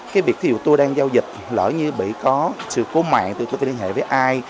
cái việc thí dụ tôi đang giao dịch lỡ như bị có sự cố mạng thì tôi phải liên hệ với ai